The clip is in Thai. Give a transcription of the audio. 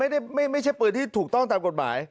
ไม่ใช่ปืนที่ถูกต้องตามกฎหมาย